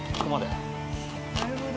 なるほど。